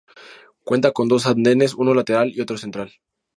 Cuenta con dos andenes uno lateral y otro central.